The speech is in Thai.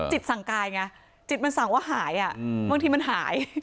สั่งกายไงจิตมันสั่งว่าหายบางทีมันหาย